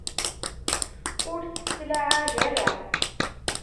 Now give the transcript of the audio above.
Ur tt-ttlaɛaj ara.